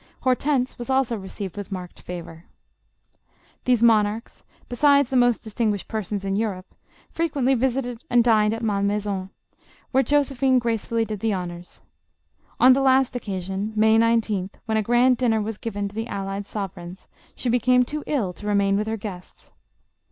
Hortense was also received with marked favor. These monarchs, besides the most distinguished per sons in Europe, frequently visited and dined at Mal maison, where Josephine gracefully did the honors. On the last occasion, May 19th, when a grand dinner was given to the allied sovereigns, she became too ill to remain with her guests.